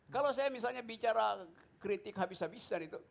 kalau saya misalnya bicara kritik habis habisan itu